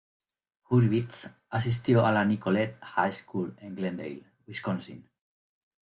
Hurwitz asistió a la Nicolet High School en Glendale, Wisconsin.